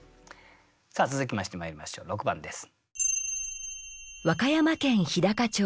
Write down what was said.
さあ続きましてまいりましょう６番です。